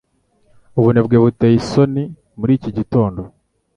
ubunebwe buteye isoni muri iki gitondo